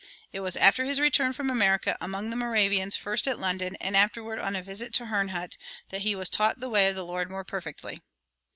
It was after his return from America, among the Moravians, first at London and afterward on a visit to Herrnhut, that he was "taught the way of the Lord more perfectly."